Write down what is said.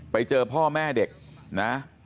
ไปเจอพ่อแม่เด็กนะ